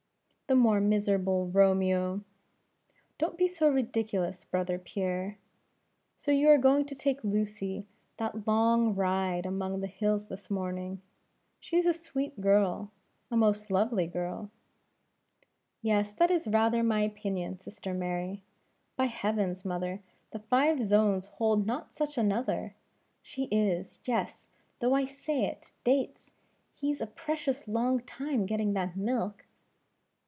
"The more miserable Romeo!" "Don't be so ridiculous, brother Pierre; so you are going to take Lucy that long ride among the hills this morning? She is a sweet girl; a most lovely girl." "Yes, that is rather my opinion, sister Mary. By heavens, mother, the five zones hold not such another! She is yes though I say it Dates! he's a precious long time getting that milk!"